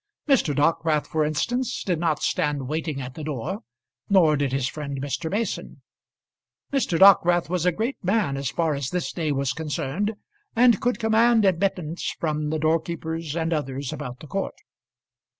Mr. Dockwrath, for instance, did not stand waiting at the door, nor did his friend Mr. Mason. Mr. Dockwrath was a great man as far as this day was concerned, and could command admittance from the doorkeepers and others about the court.